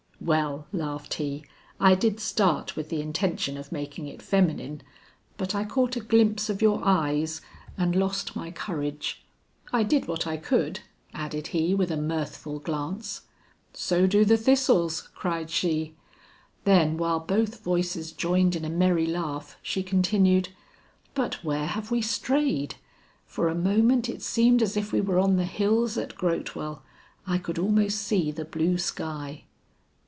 "Well," laughed he, "I did start with the intention of making it feminine, but I caught a glimpse of your eyes and lost my courage. I did what I could," added he with a mirthful glance. "So do the thistles," cried she. Then while both voices joined in a merry laugh, she continued, "But where have we strayed? For a moment it seemed as if we were on the hills at Grotewell; I could almost see the blue sky."